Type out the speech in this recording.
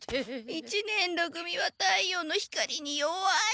一年ろ組は太陽の光に弱い。